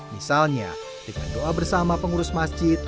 misalnya dengan doa bersama pengurus masjid